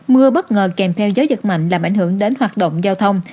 mưa bất ngờ kèm theo gió giật mạnh làm ảnh hưởng đến hoạt động giao thông